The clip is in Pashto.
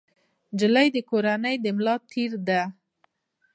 نجلۍ د کورنۍ د ملا تیر دی.